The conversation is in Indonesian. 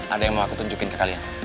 ada yang mau aku tunjukin ke kalian